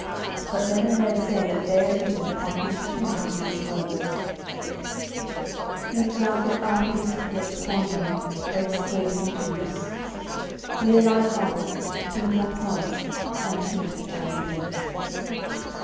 But many men say that there is written upon his tomb these words: "Hic jacet Arthurus Rex quondam Rex que futurus": "_Here lies Arthur, King that was and King that shall be.